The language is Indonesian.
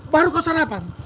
baru kau sarapan